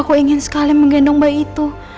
aku ingin sekali menggendong bayi itu